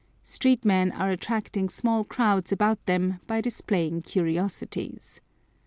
Street men are attracting small crowds about them by displaying curiosities.